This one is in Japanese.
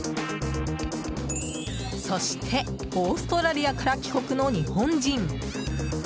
そしてオーストラリアから帰国の日本人。